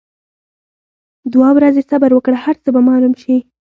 دوه ورځي صبر وکړه هرڅۀ به معلوم شي.